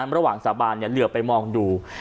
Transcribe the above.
ระหว่างสาบานเหลือไปมองดู